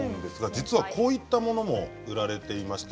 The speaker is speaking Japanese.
実は、こういったものが売られています。